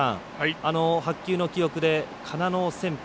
白球の記憶で金農旋風